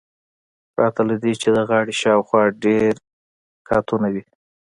پرته له دې چې د غاړې شاوخوا ډیر قاتونه وي